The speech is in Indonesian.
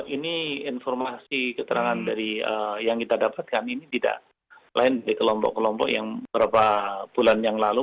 ini informasi keterangan dari yang kita dapatkan ini tidak lain dari kelompok kelompok yang beberapa bulan yang lalu